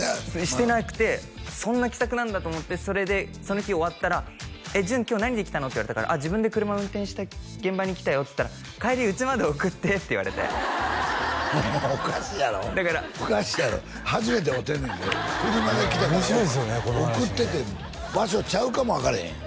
してなくてそんな気さくなんだと思ってそれでその日終わったら「えっ淳今日何で来たの？」って言われたから「あっ自分で車運転して現場に来たよ」っつったら「帰り家まで送って」って言われてもうおかしいやろだからおかしいやろ初めて会うてんねんで車で来たから送ってって場所ちゃうかも分からへんや